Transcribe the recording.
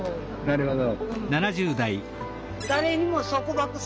なるほど。